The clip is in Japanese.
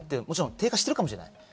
もちろん低下してるかもしれない。